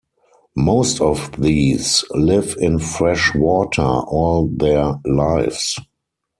Most of these live in fresh water all their lives.